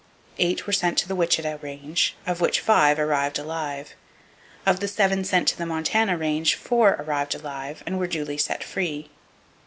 Eight were sent to the Wichita Range, of which five arrived alive. Of the seven sent to the Montana Range, four arrived alive and were duly set free.